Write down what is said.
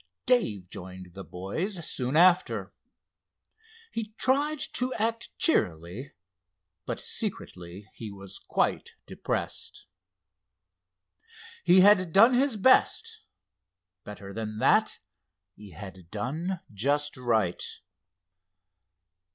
Dave joined the boys soon after. He tried to act cheerily, but secretly he was quite depressed. He had done his best. Better than that, he had done just right.